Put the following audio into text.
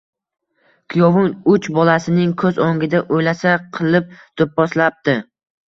Kuyovim uch bolasining ko`z o`ngida o`lasa qilib do`pposlabdi